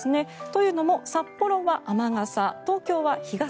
というのも札幌は雨傘